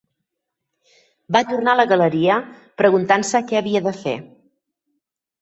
Va tornar a la galeria preguntant-se què havia de fer.